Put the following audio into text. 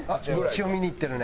一応見に行ってるね。